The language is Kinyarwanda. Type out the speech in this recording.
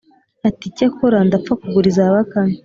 ati: ‘cyakora ndapfa kugura iza bakame.’